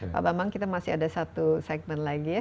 pak bambang kita masih ada satu segmen lagi ya